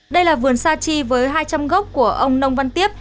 đây là vườn sa chi với hai trăm linh gốc của ông nông văn tiếp